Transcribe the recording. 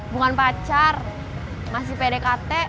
bukan pacar masih pdkt